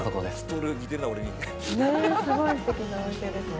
へぇすごいすてきなお店ですね。